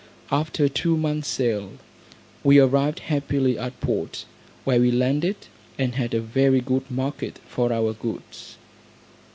After two months sail, we arrived happily at port, where we landed, and had a very good market for our goods.